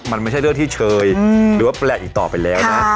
มันไม่ใช่เรื่องที่เชยหรือว่าแปลกอีกต่อไปแล้วนะ